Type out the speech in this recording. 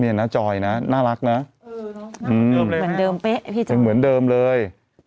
เนี่ยนะจอยนะน่ารักนะเออเนอะน่าเหมือนเดิมเลย